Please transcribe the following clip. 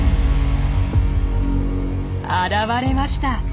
現れました！